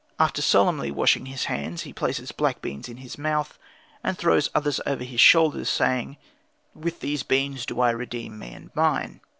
After solemnly washing his hands, he places black beans in his mouth, and throws others over his shoulders, saying, "With these beans do I redeem me and mine."